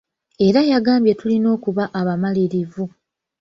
Era yagambye tulina okuba abamalirivu.